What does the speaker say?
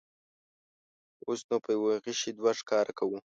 اوس نو په یوه غیشي دوه ښکاره کوو.